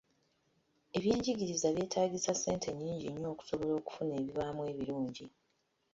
Ebyenjigiriza byetaagisa ssente nnyingi nnyo okusobola okufuna ebivaamu ebirungi.